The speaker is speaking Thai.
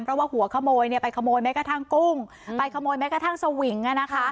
เพราะว่าหัวขโมยเนี่ยไปขโมยแม้กระทั่งกุ้งไปขโมยแม้กระทั่งสวิงอ่ะนะคะ